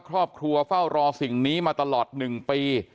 ครอบครัวเฝ้ารอสิ่งนี้มาตลอด๑ปี